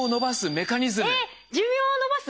えっ寿命を延ばす？